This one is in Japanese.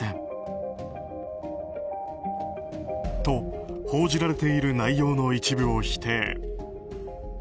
と、報じられている内容の一部を否定。